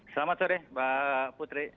selamat sore mbak putri